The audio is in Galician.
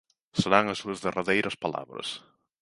Serán as súas derradeiras palabras.